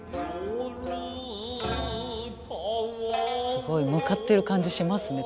すごい向かってる感じしますね